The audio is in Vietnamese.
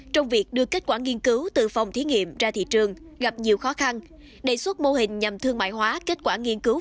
trong việc đưa kết quả nghiên cứu từ phòng thí nghiệm ra thị trường gặp nhiều khó khăn đề xuất mô hình nhằm thương mại hóa kết quả nghiên cứu